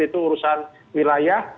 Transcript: itu urusan wilayah